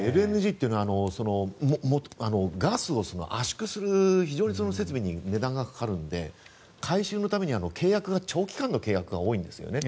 ＬＮＧというのはガスを圧縮する設備に非常に値段がかかるので回収のためには契約が長期間の契約が多いんですね。